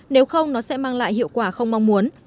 nếu không nó sẽ mang lại hiệu quả không mong muốn